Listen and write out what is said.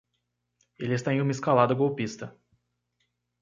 Ele está em uma escalada golpista